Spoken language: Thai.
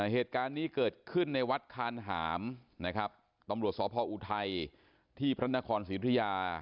เหตุการณ์นี้เกิดขึ้นในวัดคานหามนะครับตำรวจสพออุทัยที่พระนครศรีธุยา